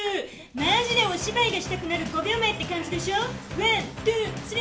マジでお芝居がしたくなる５秒前って感じでしょ。